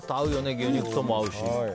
牛肉とも合うし。